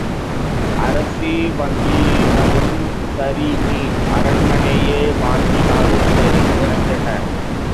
அரிசி வாங்கினாலும் சரி, நீ அரண்மனையையே வாங்கினாலும் சரி, எனக்கென்ன?